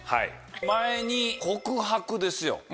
前に告白ですよ。